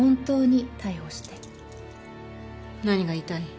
何が言いたい？